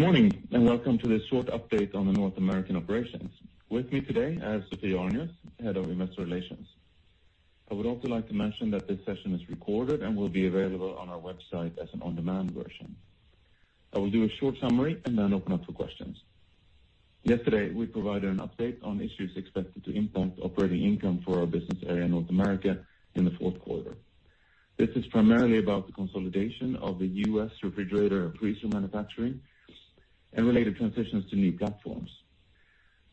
Good morning, welcome to this short update on the North American operations. With me today is Sophie Arnius, Head of Investor Relations. I would also like to mention that this session is recorded and will be available on our website as an on-demand version. I will do a short summary and then open up for questions. Yesterday, we provided an update on issues expected to impact operating income for our business area in North America in the fourth quarter. This is primarily about the consolidation of the U.S. refrigerator and freezer manufacturing and related transitions to new platforms.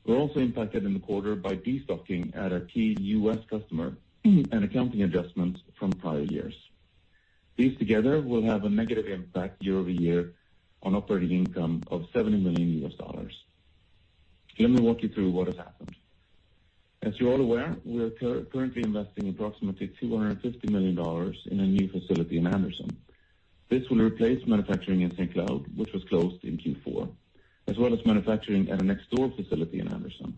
We're also impacted in the quarter by de-stocking at a key U.S. customer and accounting adjustments from prior years. These together will have a negative impact year-over-year on operating income of $70 million. Let me walk you through what has happened. As you're all aware, we are currently investing approximately $250 million in a new facility in Anderson. This will replace manufacturing in St. Cloud, which was closed in Q4, as well as manufacturing at a next-door facility in Anderson.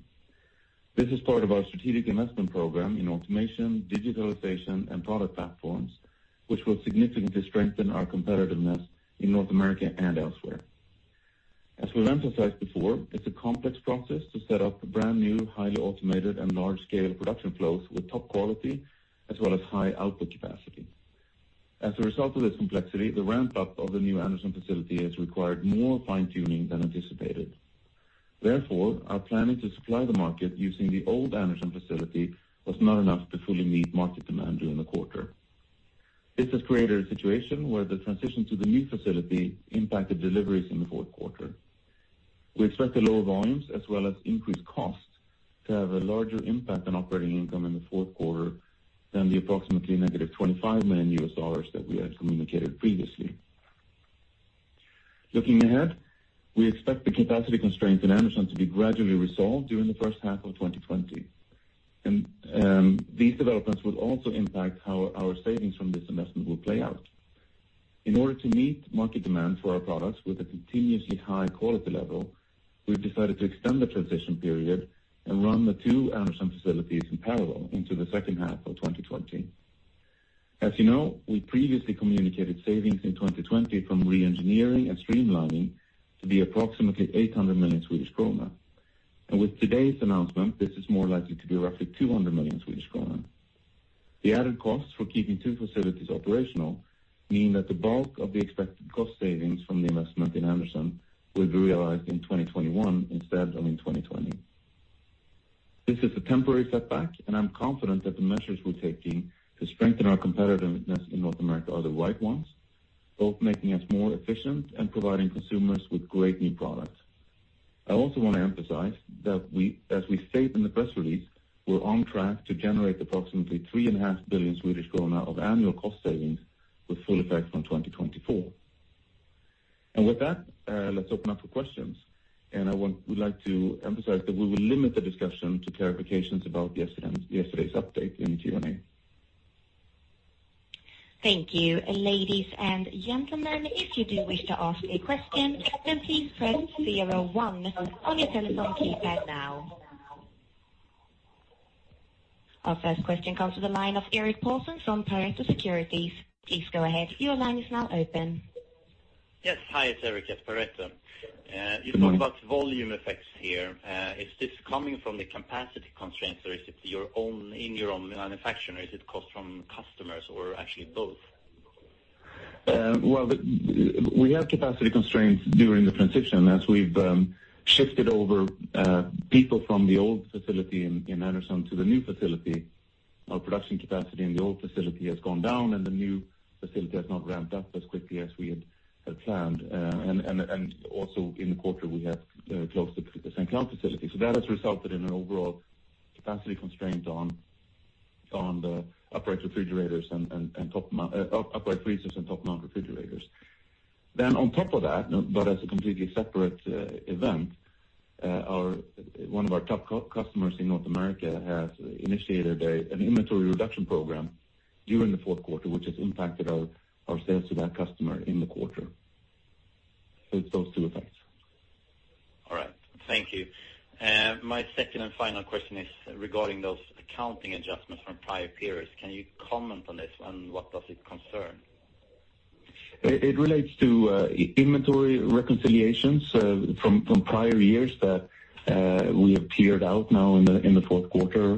This is part of our strategic investment program in automation, digitalization, and product platforms, which will significantly strengthen our competitiveness in North America and elsewhere. As we've emphasized before, it's a complex process to set up brand-new, highly automated, and large-scale production flows with top quality as well as high output capacity. As a result of this complexity, the ramp-up of the new Anderson facility has required more fine-tuning than anticipated. Therefore, our planning to supply the market using the old Anderson facility was not enough to fully meet market demand during the quarter. This has created a situation where the transition to the new facility impacted deliveries in the fourth quarter. We expect the lower volumes as well as increased costs to have a larger impact on operating income in the fourth quarter than the approximately negative $25 million that we had communicated previously. Looking ahead, we expect the capacity constraints in Anderson to be gradually resolved during the first half of 2020. These developments will also impact how our savings from this investment will play out. In order to meet market demand for our products with a continuously high quality level, we've decided to extend the transition period and run the two Anderson facilities in parallel into the second half of 2020. As you know, we previously communicated savings in 2020 from re-engineering and streamlining to be approximately 800 million Swedish krona. With today's announcement, this is more likely to be roughly 200 million Swedish krona. The added costs for keeping two facilities operational mean that the bulk of the expected cost savings from the investment in Anderson will be realized in 2021 instead of in 2020. This is a temporary setback, and I'm confident that the measures we're taking to strengthen our competitiveness in North America are the right ones, both making us more efficient and providing consumers with great new products. I also want to emphasize that as we state in the press release, we're on track to generate approximately three and a half billion Swedish krona of annual cost savings with full effect from 2024. With that, let's open up for questions. I would like to emphasize that we will limit the discussion to clarifications about yesterday's update in Q&A. Thank you. Ladies and gentlemen, if you do wish to ask a question, then please press 01 on your telephone keypad now. Our first question comes to the line of Erik Paulsson from Pareto Securities. Please go ahead. Your line is now open. Yes. Hi, it's Erik at Pareto. You talk about volume effects here. Is this coming from the capacity constraints, or is it in your own manufacturing, or is it cost from customers or actually both? Well, we have capacity constraints during the transition as we've shifted over people from the old facility in Anderson to the new facility. Our production capacity in the old facility has gone down, and the new facility has not ramped up as quickly as we had planned. Also in the quarter, we have closed the St. Cloud facility. That has resulted in an overall capacity constraint on the upright freezers and top mount refrigerators. On top of that, but as a completely separate event, one of our top customers in North America has initiated an inventory reduction program during the fourth quarter, which has impacted our sales to that customer in the quarter. It's those two effects. All right. Thank you. My second and final question is regarding those accounting adjustments from prior periods. Can you comment on this. What does it concern? It relates to inventory reconciliations from prior years that we have cleared out now in the fourth quarter,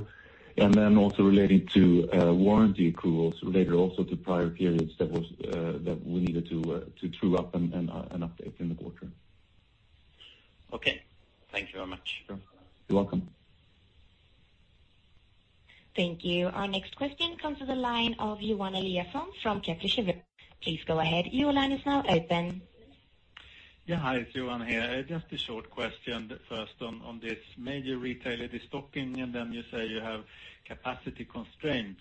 and then also relating to warranty accruals related also to prior periods that we needed to true up and update in the quarter. Okay. Thank you very much. You're welcome. Thank you. Our next question comes to the line of Johan Eliasson from Kepler Cheuvreux. Please go ahead. Your line is now open. Yeah. Hi, it's Johan here. Just a short question first on this major retailer, destocking, and then you say you have capacity constraints.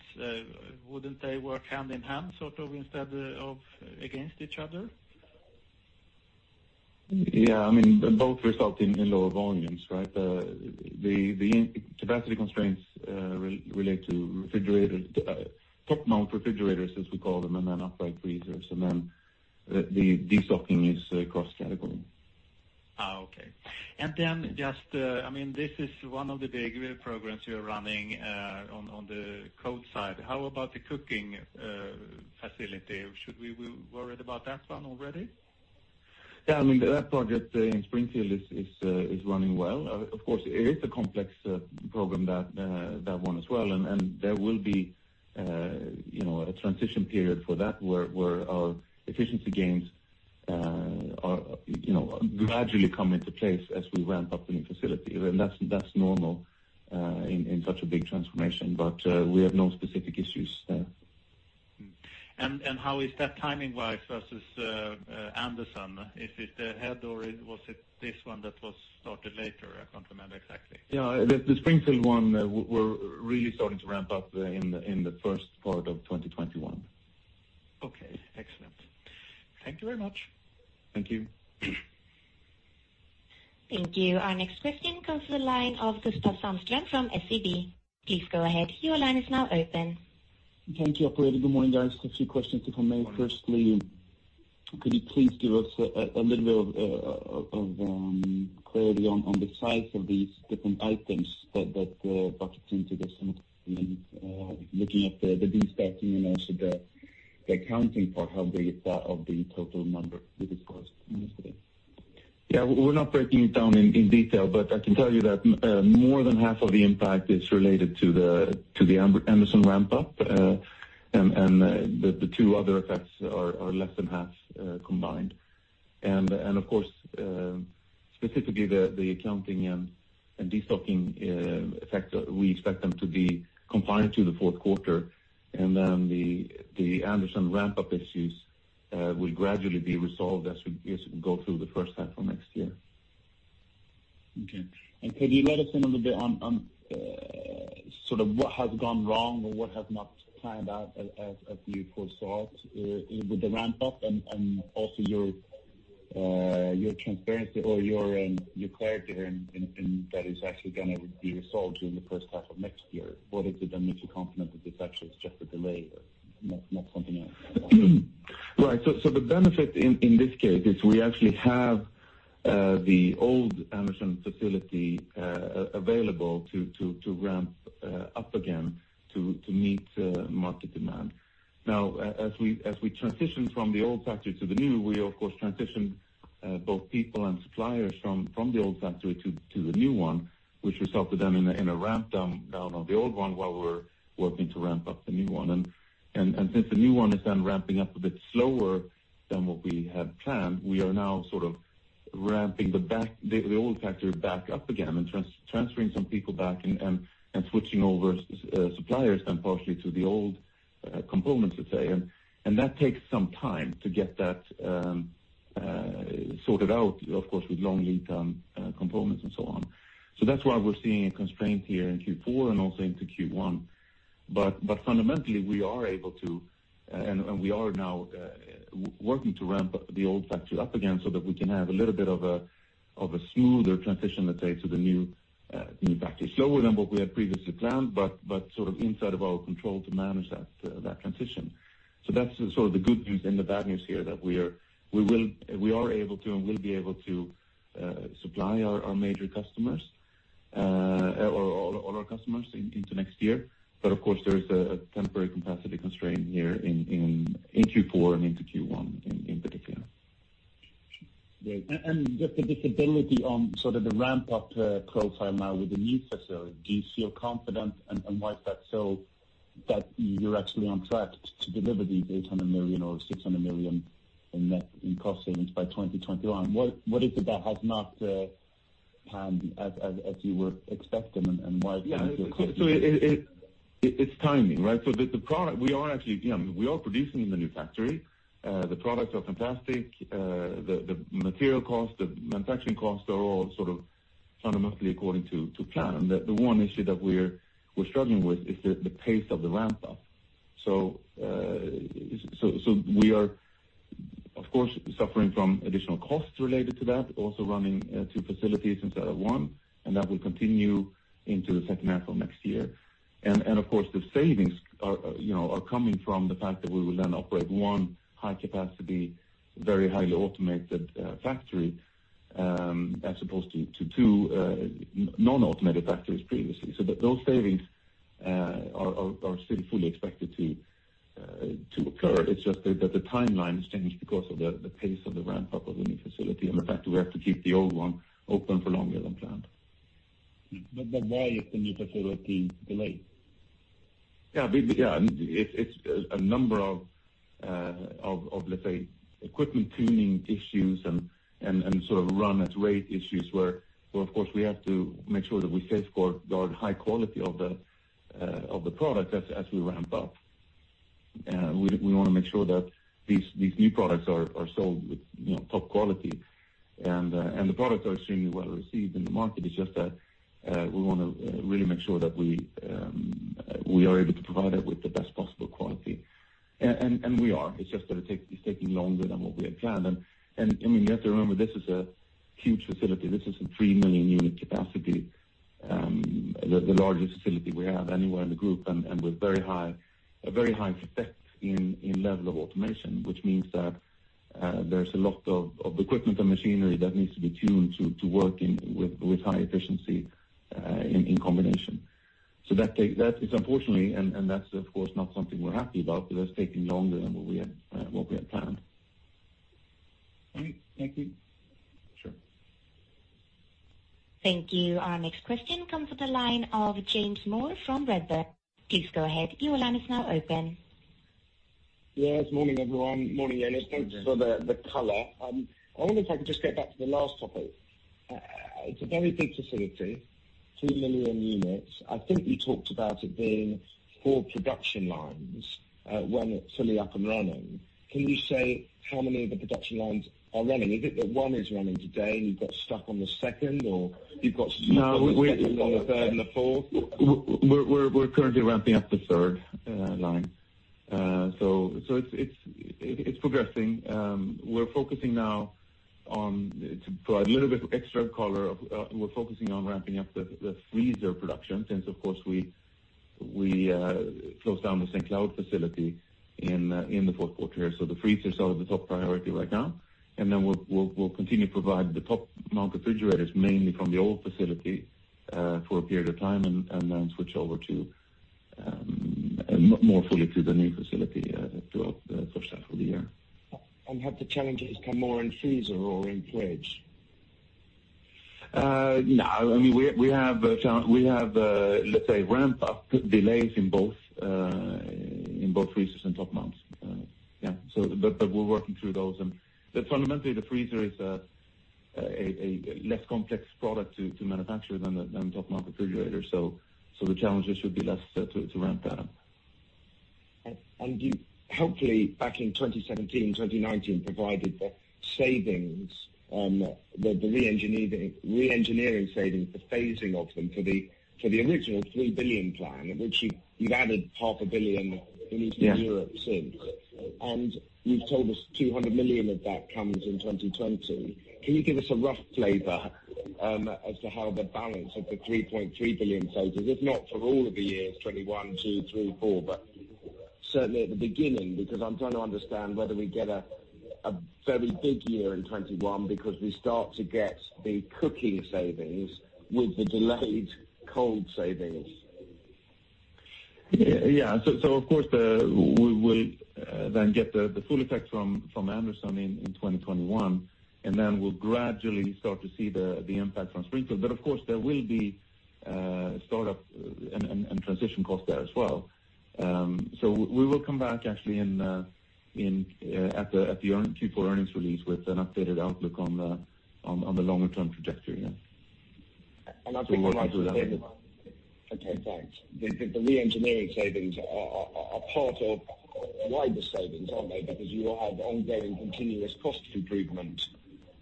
Wouldn't they work hand in hand sort of instead of against each other? Yeah, both result in lower volumes, right? The capacity constraints relate to top mount refrigerators as we call them, and then upright freezers, and then the de-stocking is across category. Okay. This is one of the big programs you're running on the cold side. How about the cooking facility? Should we be worried about that one already? That project in Springfield is running well. Of course, it is a complex program, that one as well, and there will be a transition period for that where our efficiency gains gradually come into place as we ramp up the new facility. That's normal in such a big transformation. We have no specific issues there. How is that timing-wise versus Anderson? Is it ahead, or was it this one that was started later? I can't remember exactly. Yeah. The Springfield one, we're really starting to ramp up in the first part of 2021. Okay. Excellent. Thank you very much. Thank you. Thank you. Our next question comes from the line of Gustav Hageus from SEB. Please go ahead. Your line is now open. Thank you, operator. Good morning, guys. Just a few questions, if I may. Good morning. Could you please give us a little bit of clarity on the size of these different items that bucket into the [same thing] and looking at the de-stocking and also the accounting for how big is that of the total number we discussed yesterday? Yeah. We're not breaking it down in detail, but I can tell you that more than half of the impact is related to the Anderson ramp-up, and the two other effects are less than half combined. Of course, specifically the accounting and de-stocking effect, we expect them to be confined to the fourth quarter, and then the Anderson ramp-up issues will gradually be resolved as we go through the first half of next year. Okay. Could you let us in a little bit on sort of what has gone wrong or what has not panned out as you foresaw with the ramp-up and also your transparency or your clarity there, and that is actually going to be resolved during the first half of next year. What is the magnitude component of this, actually it's just a delay or not something else? Right. The benefit in this case is we actually have the old Anderson facility available to ramp up again to meet market demand. Now, as we transition from the old factory to the new, we of course transition both people and suppliers from the old factory to the new one, which resulted in a ramp down of the old one while we're working to ramp up the new one. Since the new one is then ramping up a bit slower than what we had planned, we are now sort of ramping the old factory back up again and transferring some people back and switching over suppliers then partially to the old components, let's say. That takes some time to get that sorted out, of course, with long lead time components and so on. That's why we're seeing a constraint here in Q4 and also into Q1. Fundamentally, we are able to, and we are now working to ramp the old factory up again so that we can have a little bit of a smoother transition, let's say, to the new factory. Slower than what we had previously planned, but sort of inside of our control to manage that transition. That's sort of the good news and the bad news here, that we are able to and will be able to supply our major customers, or all our customers into next year. Of course, there is a temporary capacity constraint here in Q4 and into Q1 in particular. Great. Just the visibility on sort of the ramp-up profile now with the new facility, do you feel confident, and why is that so that you're actually on track to deliver these 800 million or 600 million in cost savings by 2021? What is it that has not panned as you were expecting and why can you feel confident? It's timing, right? The product, we are producing in the new factory. The products are fantastic. The material cost, the manufacturing costs are all sort of fundamentally according to plan. The one issue that we're struggling with is the pace of the ramp-up. We are of course suffering from additional costs related to that, also running 2 facilities instead of 1, and that will continue into the second half of next year. Of course, the savings are coming from the fact that we will then operate 1 high capacity, very highly automated factory, as opposed to 2 non-automated factories previously. Those savings are still fully expected to occur. It's just that the timeline has changed because of the pace of the ramp-up of the new facility and the fact that we have to keep the old one open for longer than planned. Why is the new facility delayed? It's a number of, let's say, equipment tuning issues and sort of run at rate issues where, of course, we have to make sure that we safeguard the high quality of the product as we ramp up. We want to make sure that these new products are sold with top quality. The products are extremely well-received in the market. It's just that we want to really make sure that we are able to provide it with the best possible quality. We are. It's just that it's taking longer than what we had planned. You have to remember, this is a huge facility. This is a 3 million unit capacity. The largest facility we have anywhere in the group, and with a very high level of automation, which means that there's a lot of equipment and machinery that needs to be tuned to working with high efficiency in combination. That is unfortunately, and that's of course not something we're happy about, but that's taking longer than what we had planned. Okay. Thank you. Sure. Thank you. Our next question comes to the line of James Moore from Redburn. Please go ahead. Your line is now open. Yes, Morning, everyone. Morning, Jonas. Good morning. Thanks for the color. I wonder if I can just get back to the last topic. It's a very big facility, 2 million units. I think you talked about it being four production lines when it's fully up and running. Can you say how many of the production lines are running? Is it that one is running today, and you got stuck on the second, or you've got stuck- No on the second, on the third, and the fourth? We're currently ramping up the third line. It's progressing. To provide a little bit of extra color, we're focusing on ramping up the freezer production since, of course, we closed down the St. Cloud facility in the fourth quarter. The freezers are the top priority right now. We'll continue to provide the top mount refrigerators, mainly from the old facility, for a period of time and then switch over to more fully to the new facility throughout the first half of the year. Have the challenges come more in freezer or in fridge? No. We have, let's say, ramp-up delays in both freezers and Top Mounts. Yeah. We're working through those. Fundamentally, the freezer is a less complex product to manufacture than Top Mount Refrigerators, so the challenges should be less to ramp that up. You helpfully, back in 2017, 2019, provided the savings on the re-engineering savings, the phasing of them for the original 3 billion plan, which you've added half a billion. Yeah in Eastern Europe since. You've told us 200 million of that comes in 2020. Can you give us a rough flavor as to how the balance of the 3.3 billion savings, if not for all of the years 2021, 2022, 2023, 2024, but certainly at the beginning? I'm trying to understand whether we get a very big year in 2021 because we start to get the cooking savings with the delayed cold savings. Yeah. Of course, we will then get the full effect from Anderson in 2021, and then we'll gradually start to see the impact from Springfield. Of course, there will be startup and transition costs there as well. We will come back actually at the Q4 earnings release with an updated outlook on the longer-term trajectory, yeah. And I take- We're working through that. Okay, thanks. The re-engineering savings are part of wider savings, aren't they? You have ongoing continuous cost improvement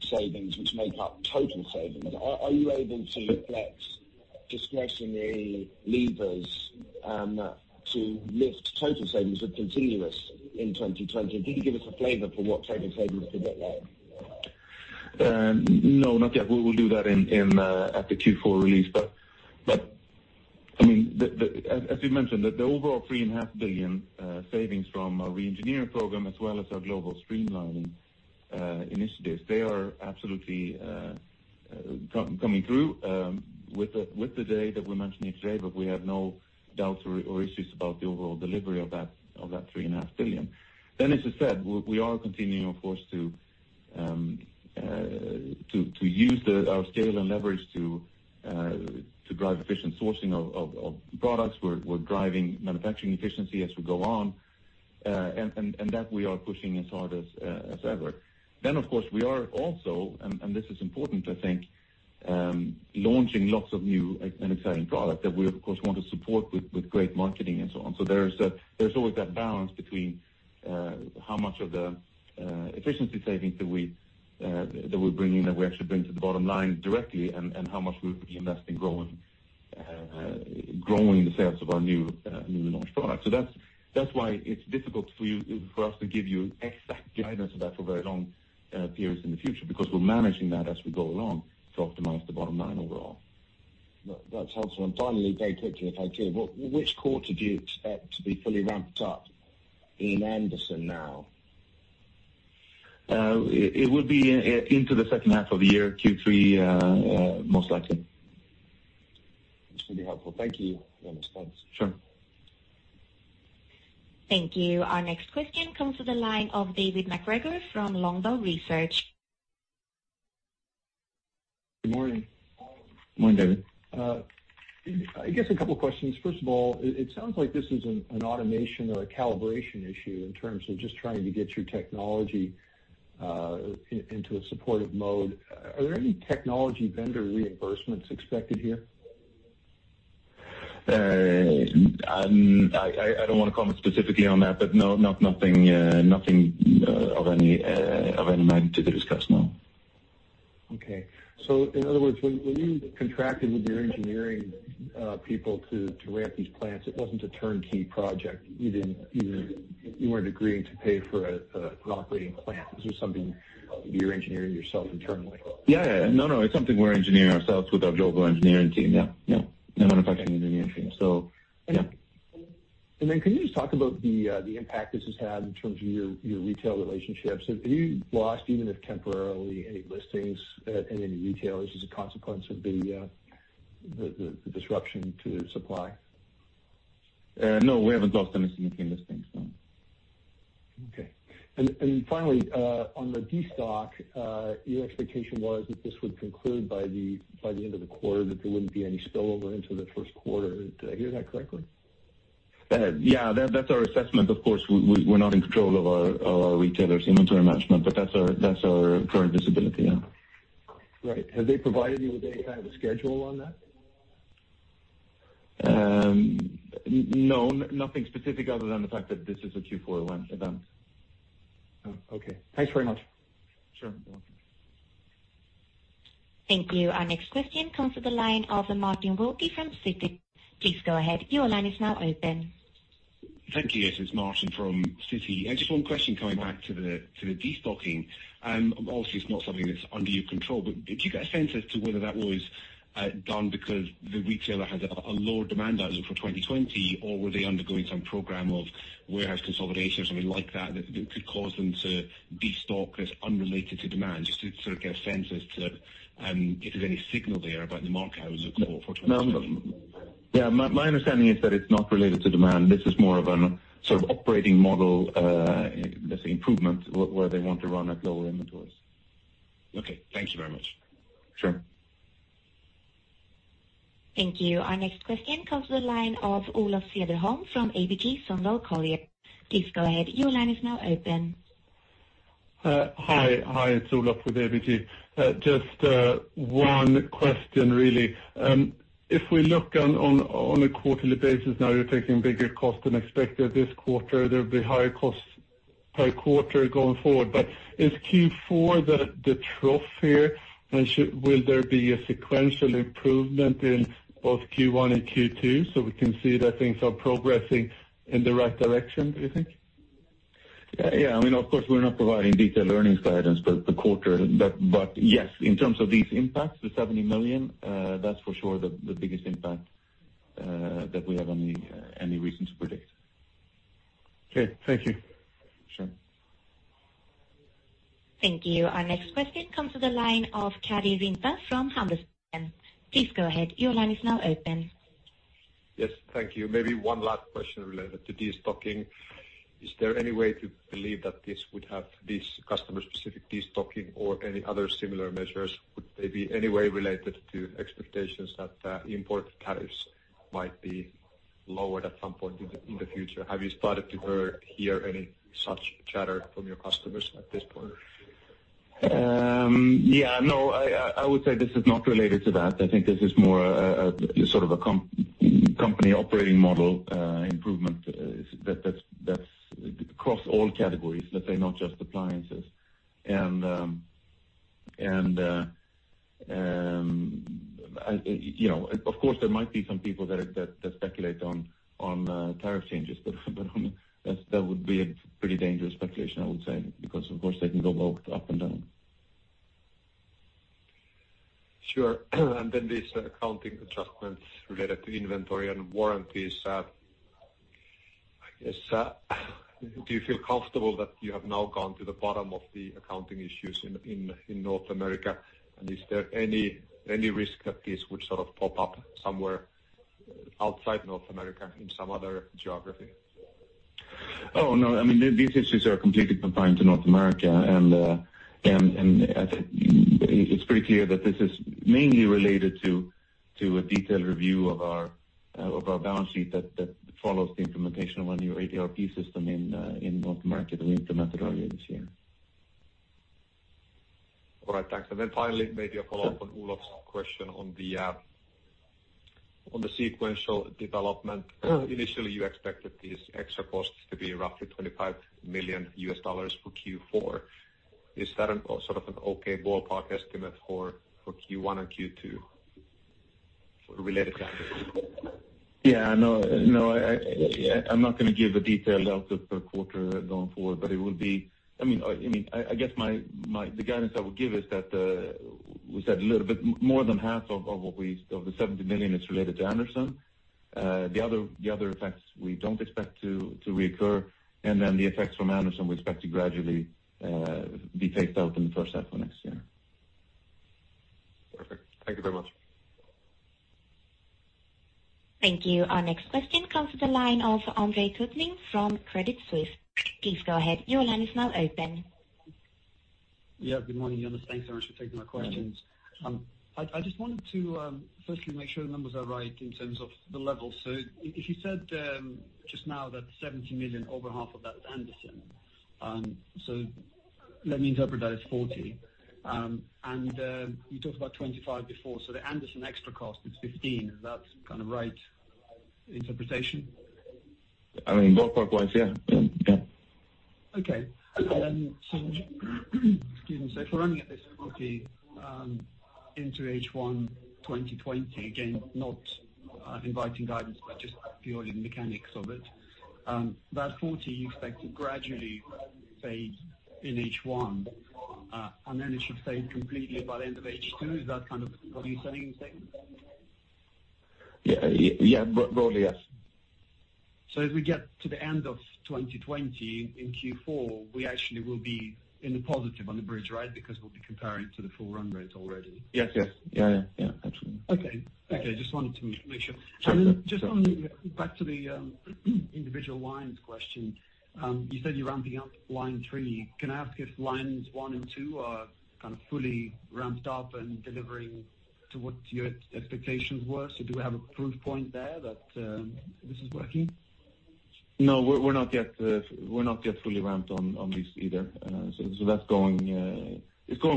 savings, which make up total savings. Are you able to flex discretionary levers to lift total savings with continuous in 2020? Can you give us a flavor for what type of savings to get there? No, not yet. We will do that at the Q4 release. As we've mentioned, the overall three and a half billion savings from our re-engineering program as well as our global streamlining initiatives, they are absolutely coming through with the data we mentioned yesterday. We have no doubts or issues about the overall delivery of that three and a half billion. As I said, we are continuing, of course, to use our scale and leverage to drive efficient sourcing of products. We're driving manufacturing efficiency as we go on, and that we are pushing as hard as ever. Of course, we are also, and this is important, I think, launching lots of new and exciting product that we of course want to support with great marketing and so on. There's always that balance between how much of the efficiency savings that we're bringing, that we actually bring to the bottom line directly and how much we invest in growing the sales of our new launch product. That's why it's difficult for us to give you exact guidance of that for very long periods in the future, because we're managing that as we go along to optimize the bottom line overall. That's helpful. Finally, very quickly, if I could, which quarter do you expect to be fully ramped up in Anderson now? It would be into the second half of the year, Q3, most likely. That's really helpful. Thank you, Jonas. Thanks. Sure. Thank you. Our next question comes to the line of David MacGregor from Longbow Research. Good morning. Morning, David. I guess a couple questions. First of all, it sounds like this is an automation or a calibration issue in terms of just trying to get your technology into a supportive mode. Are there any technology vendor reimbursements expected here? I don't want to comment specifically on that, but no, nothing of any magnitude to discuss, no. Okay. In other words, when you contracted with your engineering people to ramp these plants, it wasn't a turnkey project. You weren't agreeing to pay for an operating plant. This was something you're engineering yourself internally. Yeah. No, it's something we're engineering ourselves with our global engineering team. Yeah. Yeah. No manufacturing engineering team. Yeah. Can you just talk about the impact this has had in terms of your retail relationships? Have you lost, even if temporarily, any listings in any retailers as a consequence of the disruption to supply? No, we haven't lost any significant listings, no. Okay. Finally, on the destock, your expectation was that this would conclude by the end of the quarter, that there wouldn't be any spillover into the first quarter. Did I hear that correctly? Yeah. That's our assessment. Of course, we're not in control of our retailers' inventory management, but that's our current visibility, yeah. Right. Have they provided you with any kind of a schedule on that? No, nothing specific other than the fact that this is a Q4 event. Oh, okay. Thanks very much. Sure. You're welcome. Thank you. Our next question comes to the line of Martin Wilkie from Citi. Please go ahead. Your line is now open. Thank you. Yes, it's Martin from Citi. Just one question coming back to the de-stocking. Obviously, it's not something that's under your control, did you get a sense as to whether that was done because the retailer has a lower demand outlook for 2020, or were they undergoing some program of warehouse consolidation or something like that could cause them to destock that's unrelated to demand? Just to sort of get a sense as to if there's any signal there about the market outlook for 2020. No. Yeah, my understanding is that it's not related to demand. This is more of a sort of operating model, let's say, improvement, where they want to run at lower inventories. Okay. Thank you very much. Sure. Thank you. Our next question comes to the line of Olaf Sverre Holm from ABG Sundal Collier. Please go ahead. Your line is now open. Hi. It's Olaf with ABG. Just one question, really. If we look on a quarterly basis now, you're taking bigger cost than expected this quarter. There'll be higher costs per quarter going forward. Is Q4 the trough here, and will there be a sequential improvement in both Q1 and Q2, so we can see that things are progressing in the right direction, do you think? Yeah. Of course, we're not providing detailed earnings guidance for the quarter. Yes, in terms of these impacts, the $70 million, that's for sure the biggest impact that we have any reason to predict. Okay. Thank you. Sure. Thank you. Our next question comes to the line of Kari Riipinen from Handelsbanken. Please go ahead. Your line is now open. Yes. Thank you. Maybe one last question related to de-stocking. Is there any way to believe that this would have this customer-specific de-stocking or any other similar measures? Would they be any way related to expectations that import tariffs might be lowered at some point in the future? Have you started to hear any such chatter from your customers at this point? Yeah, no. I would say this is not related to that. I think this is more a sort of a company operating model improvement that's across all categories, let's say, not just appliances. Of course, there might be some people that speculate on tariff changes, but that would be a pretty dangerous speculation, I would say, because of course, they can go both up and down. Sure. These accounting adjustments related to inventory and warranties, do you feel comfortable that you have now gone to the bottom of the accounting issues in North America? Is there any risk that this would sort of pop up somewhere outside North America in some other geography? Oh, no. These issues are completely confined to North America. It's pretty clear that this is mainly related to a detailed review of our balance sheet that follows the implementation of our new ERP system in North America that we implemented earlier this year. All right. Thanks. Finally, maybe a follow-up on Olaf's question on the sequential development. Initially, you expected these extra costs to be roughly $25 million for Q4. Is that sort of an okay ballpark estimate for Q1 and Q2 for related? Yeah, no. I'm not going to give a detailed outlook per quarter going forward, I guess the guidance I would give is that we said a little bit more than half of the $70 million is related to Anderson. The other effects we don't expect to recur, and then the effects from Anderson, we expect to gradually be phased out in the first half of next year. Perfect. Thank you very much. Thank you. Our next question comes to the line of Andrei Kouline from Credit Suisse. Please go ahead. Your line is now open. Yeah, good morning, Jonas. Thanks very much for taking my questions. I just wanted to firstly make sure the numbers are right in terms of the level. You said just now that $70 million, over half of that is Anderson. Let me interpret that as $40. You talked about $25 before, the Anderson extra cost is $15. Is that kind of right interpretation? I mean, ballpark-wise, yeah. Okay. Excuse me. If we're running at this 40 into H1 2020, again, not inviting guidance, but just purely the mechanics of it, that 40 you expect to gradually phase in H1, and then it should phase completely by the end of H2? Is that kind of how you're saying things? Yeah. Broadly, yes. As we get to the end of 2020 in Q4, we actually will be in the positive on the bridge, right? Because we'll be comparing to the full run rate already. Yes. Absolutely. Okay. Just wanted to make sure. Sure. Just back to the individual lines question. You said you're ramping up line 3. Can I ask if lines 1 and 2 are fully ramped up and delivering to what your expectations were? Do we have a proof point there that this is working? No, we're not yet fully ramped on this either. That's going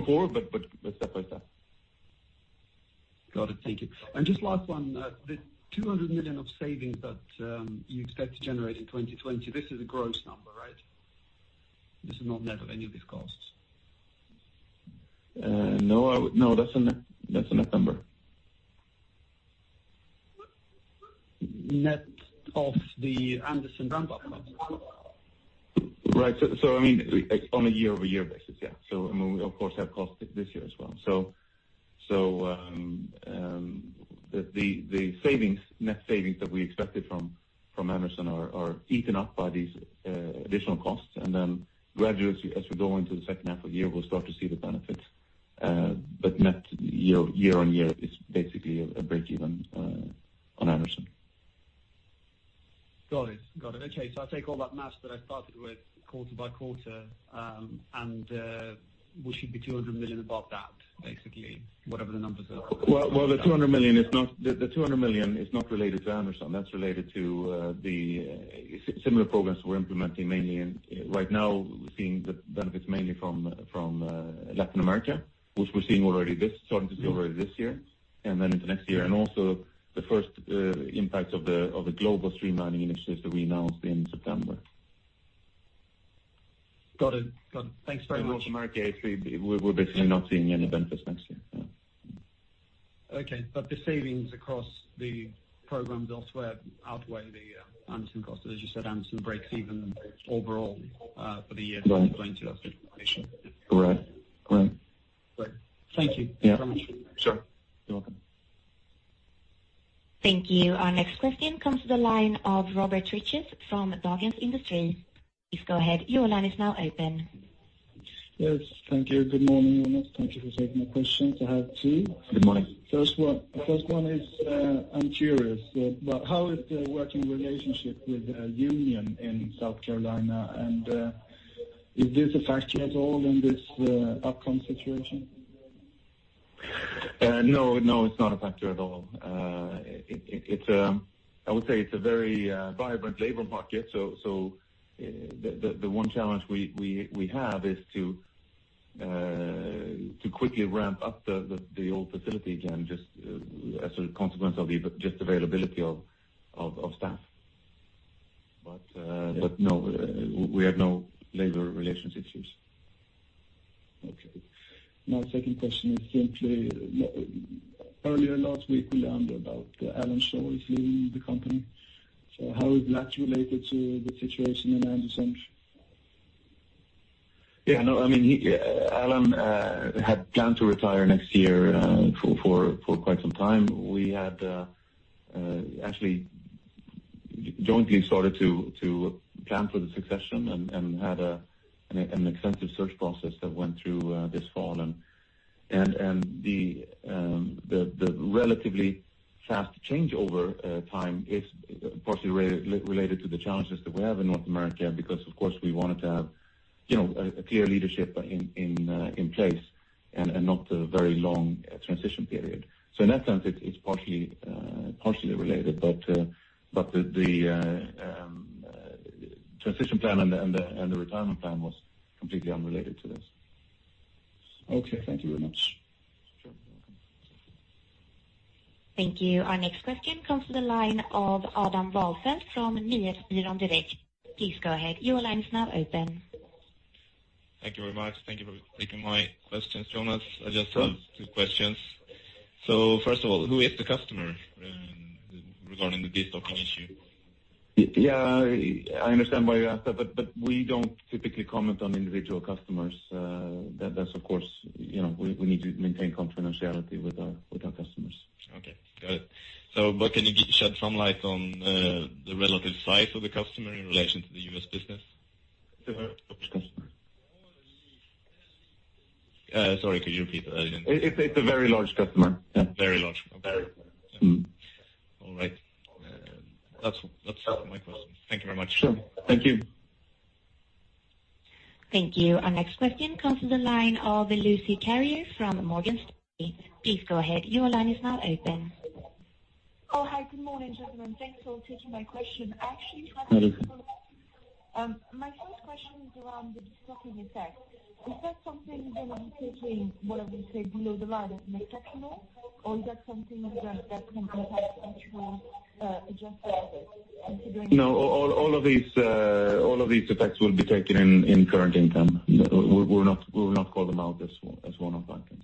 forward, but step by step. Got it. Thank you. Just last one, the 200 million of savings that you expect to generate in 2020, this is a gross number, right? This is not net of any of these costs. No, that's a net number. Net of the Anderson ramp-up costs? Right. On a year-over-year basis, yeah. I mean, we of course have costs this year as well. The net savings that we expected from Anderson are eaten up by these additional costs, and then gradually as we go into the second half of the year, we'll start to see the benefits. Net year-on-year is basically a break even on Anderson. Got it. Okay. I take all that math that I started with quarter by quarter, and we should be 200 million above that, basically, whatever the numbers are. The 200 million is not related to Anderson. That's related to the similar programs we're implementing mainly, and right now we're seeing the benefits mainly from Latin America, which we're starting to see already this year, and then into next year. Also the first impact of the global streamlining initiatives that we announced in September. Got it. Thanks very much. In North America, we're basically not seeing any benefits next year. Yeah. Okay, the savings across the programs elsewhere outweigh the Anderson cost. As you said, Anderson breaks even overall for the year 2020. Correct. Great. Thank you so much. Yeah. Sure. You're welcome. Thank you. Our next question comes to the line of Robert Riches from Berenberg. Please go ahead. Your line is now open. Yes. Thank you. Good morning, Jonas. Thank you for taking the question. I have two. Good morning. First one is, I'm curious, how is the working relationship with union in South Carolina, and is this a factor at all in this upcoming situation? No, it's not a factor at all. I would say it's a very vibrant labor market, the one challenge we have is to quickly ramp up the old facility again, just as a consequence of the just availability of staff. No, we have no labor relation issues. Okay. My second question is simply, earlier last week we learned about Jonas Samuelson is leaving the company. How is that related to the situation in Anderson? Yeah, no. I mean, Jonas had planned to retire next year for quite some time. We had actually jointly started to plan for the succession and had an extensive search process that went through this fall. The relatively fast changeover time is partially related to the challenges that we have in North America because, of course, we wanted to have a clear leadership in place and not a very long transition period. In that sense, it's partially related. The transition plan and the retirement plan was completely unrelated to this. Okay. Thank you very much. Sure. Welcome. Thank you. Our next question comes to the line of Adam Rolfsen from DNB. Please go ahead. Your line is now open. Thank you very much. Thank you for taking my questions, Jonas. I just have two questions. First of all, who is the customer regarding the destocking issue? Yeah, I understand why you ask that, but we don't typically comment on individual customers. That's of course, we need to maintain confidentiality with our customers. Okay. Got it. What can you shed some light on the relative size of the customer in relation to the U.S. business? Customer. Sorry, could you repeat that? It's a very large customer. Yeah. Very large. Okay. Very large. All right. That's all my questions. Thank you very much. Sure. Thank you. Thank you. Our next question comes to the line of Lucie Carrier from Morgan Stanley. Please go ahead. Your line is now open. Oh, hi. Good morning, gentlemen. Thanks for taking my question. Hi, Lucie. My first question is around the de-stocking effect. Is that something that you're taking, what I would say below the line as exceptional, or is that something that can impact actual adjusted profits considering. No, all of these effects will be taken in current income. We will not call them out as one-off items.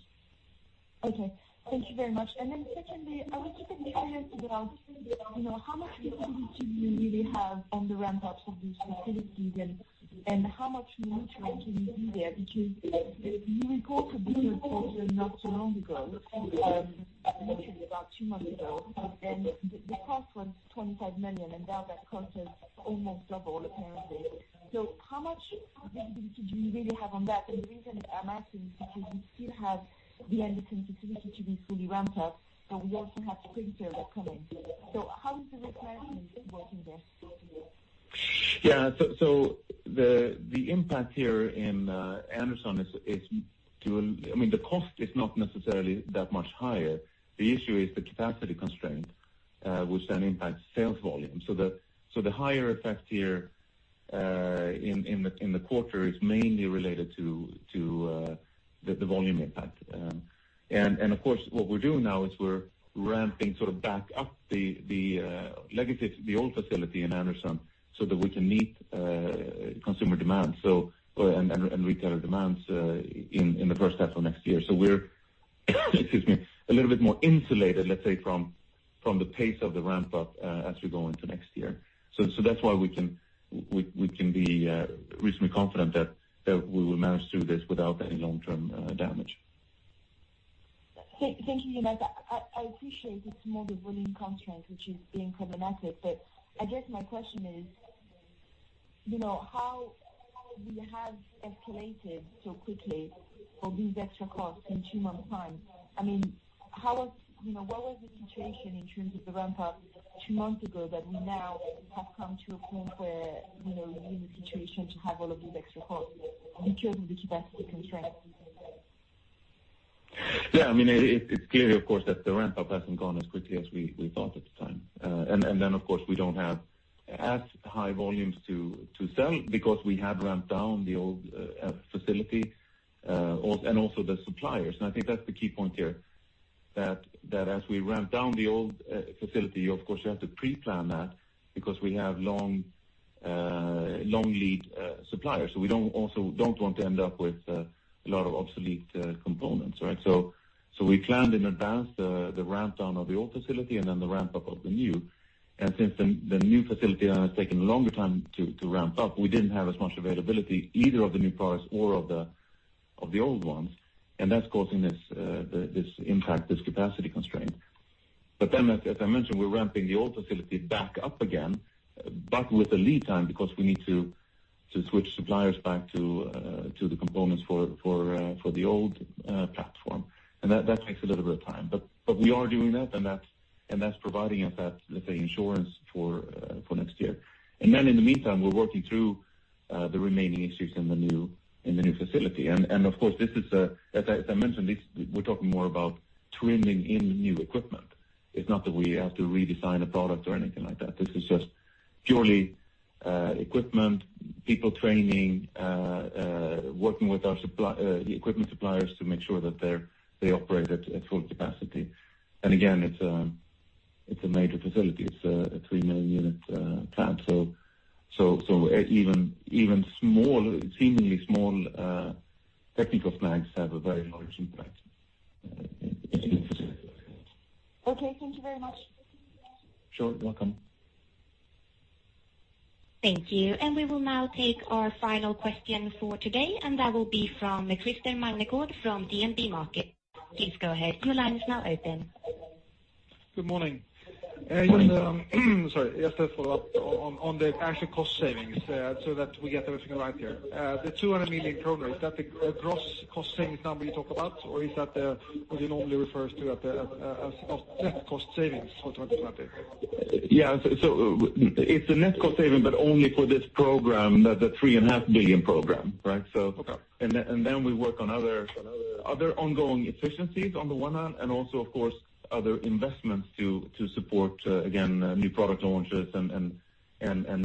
Okay, thank you very much. Then secondly, I was just curious about how much capability do you really have on the ramp-ups of these facilities, and how much nurturing can you do there? Because you recorded a business quarter not too long ago, literally about two months ago, and the cost was 25 million, and now that cost is almost double, apparently. How much capability do you really have on that? The reason I'm asking is because we still have the Anderson facility to be fully ramped up, but we also have Springfield coming. How is the requirement working there? Yeah. The impact here in Anderson, the cost is not necessarily that much higher. The issue is the capacity constraint, which then impacts sales volume. The higher effect here in the quarter is mainly related to the volume impact. Of course, what we're doing now is we're ramping back up the old facility in Anderson so that we can meet consumer demand and retailer demands in the first half of next year. We're excuse me, a little bit more insulated, let's say, from the pace of the ramp-up as we go into next year. That's why we can be reasonably confident that we will manage through this without any long-term damage. Thank you, Jonas. I appreciate it's more the volume constraint which is being problematic, I guess my question is how we have escalated so quickly for these extra costs in two months' time. What was the situation in terms of the ramp-up two months ago that we now have come to a point where we're in a situation to have all of these extra costs in terms of the capacity constraint? It's clear, of course, that the ramp-up hasn't gone as quickly as we thought at the time. Of course, we don't have as high volumes to sell because we had ramped down the old facility, and also the suppliers. I think that's the key point here, that as we ramp down the old facility, of course, you have to pre-plan that because we have long lead suppliers. We don't want to end up with a lot of obsolete components, right? We planned in advance the ramp down of the old facility and then the ramp-up of the new. Since the new facility has taken a longer time to ramp up, we didn't have as much availability, either of the new products or of the old ones, and that's causing this impact, this capacity constraint. As I mentioned, we're ramping the old facility back up again, but with a lead time, because we need to switch suppliers back to the components for the old platform. That takes a little bit of time. We are doing that, and that's providing us that, let's say, insurance for next year. In the meantime, we're working through the remaining issues in the new facility. Of course, as I mentioned, we're talking more about tuning in new equipment. It's not that we have to redesign a product or anything like that. This is just purely equipment, people training, working with our equipment suppliers to make sure that they operate at full capacity. Again, it's a major facility. It's a 3 million-unit plant, so even seemingly small technical flags have a very large impact in the facility. Okay, thank you very much. Sure. Welcome. Thank you. We will now take our final question for today, and that will be from Christer Magnergård from DNB Markets. Please go ahead. Your line is now open. Good morning. Sorry, just a follow-up on the actual cost savings so that we get everything right here. The 200 million kronor program, is that the gross cost savings number you talk about, or is that what you normally refer to as net cost savings for 2023? Yeah. It's a net cost saving, but only for this program, the 3.5 billion program, right? Okay. We work on other ongoing efficiencies on the one hand, and also, of course, other investments to support, again, new product launches and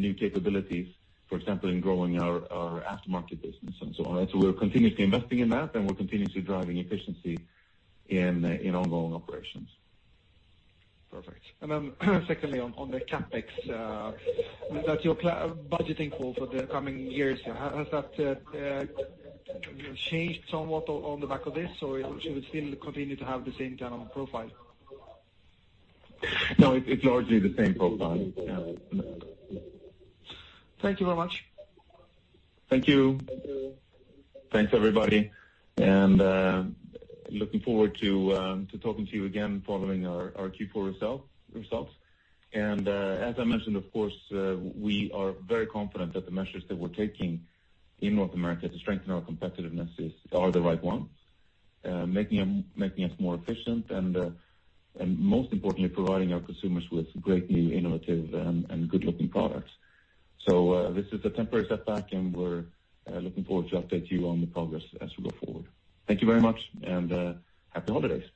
new capabilities, for example, in growing our aftermarket business and so on. We're continuously investing in that, and we're continuously driving efficiency in ongoing operations. Perfect. Secondly, on the CapEx that you're budgeting for the coming years, has that changed somewhat on the back of this, or should we still continue to have the same general profile? No, it's largely the same profile. Thank you very much. Thank you. Thanks, everybody. Looking forward to talking to you again following our Q4 results. As I mentioned, of course, we are very confident that the measures that we're taking in North America to strengthen our competitiveness are the right ones, making us more efficient and most importantly, providing our consumers with great new innovative and good-looking products. This is a temporary setback, and we're looking forward to update you on the progress as we go forward. Thank you very much, and happy holidays.